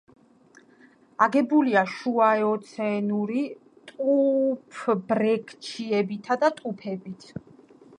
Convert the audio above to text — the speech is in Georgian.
აგებულია შუაეოცენური ტუფ-ბრექჩიებითა და ტუფებით.